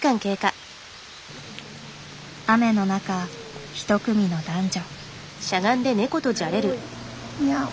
雨の中一組の男女。